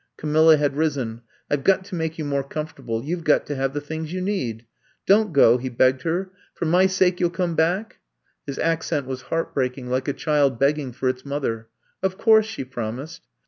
Camilla had risen. ^^I 've got to make you more comfortable. You 've got to have the things you need. '' "Don't go!" he begged her. For my sake you '11 come back!" His accent was heartbreaking, like a child begging for its mother. "Of course," she promised.